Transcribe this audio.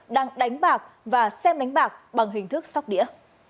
đang đánh bạc và xem đánh bạc bằng hình thức sóc đĩa